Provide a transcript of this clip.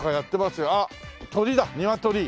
あっ鶏だニワトリ。